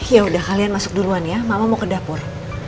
ya udah kalian masuk duluan ya mama mau ke dapur